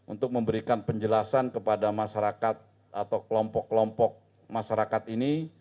untuk memberikan penjelasan kepada masyarakat atau kelompok kelompok masyarakat ini